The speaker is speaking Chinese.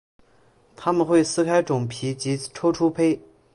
它们会撕开种皮及抽出胚。